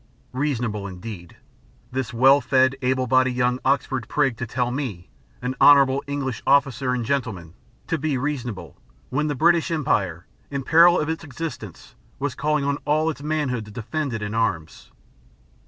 Reasonable indeed! This well fed, able bodied, young Oxford prig to tell me, an honourable English officer and gentleman, to be reasonable, when the British Empire, in peril of its existence, was calling on all its manhood to defend it in arms!